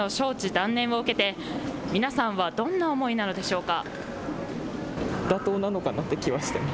断念を受けて皆さんはどんな思いなのでしょうか。